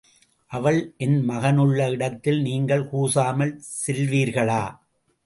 அவள் என் மகனுள்ள இடத்தில் நீங்கள் கூசாமல் செல்வீர்களா?